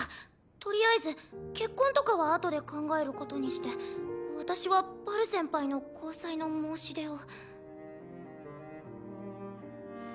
とりあえず結婚とかはあとで考えることにして私はバル先輩の交際の申し出を。